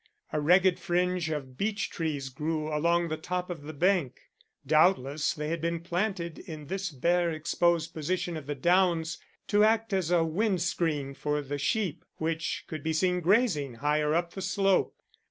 A ragged fringe of beech trees grew along the top of the bank; doubtless they had been planted in this bare exposed position of the downs to act as a wind screen for the sheep which could be seen grazing higher up the slope.